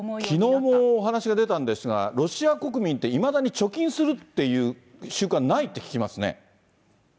きのうもお話が出たんですが、ロシア国民っていまだに貯金するっていう習慣ないって聞きますね。